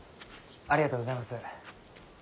ありがとうございます。